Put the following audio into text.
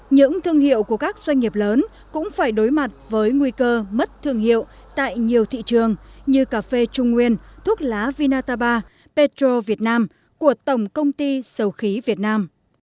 những thương hiệu của các doanh nghiệp lớn cũng phải đối mặt với nguy cơ mất thương hiệu tại nhiều thị trường như cà phê trung nguyên thuốc lá vinataba petro việt nam của tổng công ty sầu khí việt nam